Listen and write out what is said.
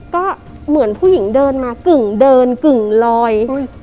ก็เหมือนผู้หญิงเดินมากึ่งเดินกึ่งลอย